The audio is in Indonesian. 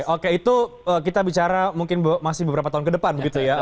oke itu kita bicara mungkin masih beberapa tahun ke depan begitu ya